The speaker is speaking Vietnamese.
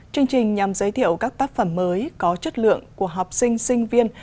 chương trình nhằm giới thiệu các tác phẩm mới có chất lượng của học sinh sinh viên